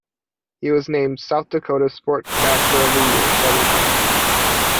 He was named South Dakota's sportscaster of the year seven times.